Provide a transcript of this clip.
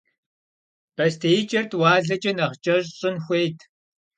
БостеикӀэр тӀуалэкӀэ нэхъ кӀэщӀ щӀын хуейт.